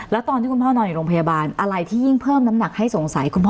แล้วตอนที่คุณพ่อนอนอยู่โรงพยาบาลอะไรที่ยิ่งเพิ่มน้ำหนักให้สงสัยคุณพ่อ